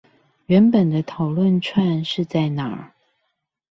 原本的討論串是在哪？